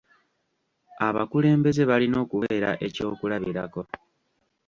Abakulembeze balina okubeera ekyokulabirako.